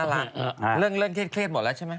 เรื่องเลื่อนเครียดเครียดหมดแล้วใช่ไหม